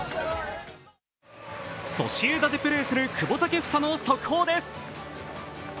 ソシエダでプレーする久保建英の速報です。